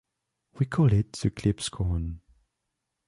We call it the Klipschorn.